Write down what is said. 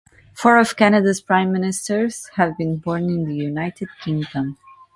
Four of Canada's Prime Ministers have been born in the United Kingdom.